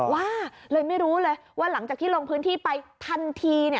ว่าเลยไม่รู้เลยว่าหลังจากที่ลงพื้นที่ไปทันที